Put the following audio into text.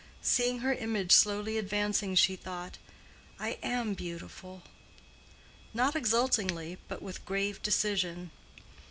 Seeing her image slowly advancing, she thought "I am beautiful"—not exultingly, but with grave decision.